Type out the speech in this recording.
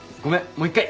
もう一回！